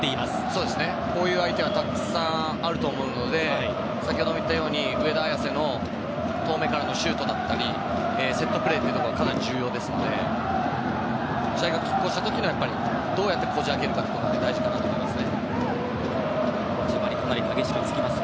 そうですね、こういう相手はたくさんあると思うので先ほども言ったように上田綺世の遠めからのシュートだったりセットプレーというところがかなり重要ですので試合が拮抗した時、どうやってこじ開けるかというところも大事かなと思います。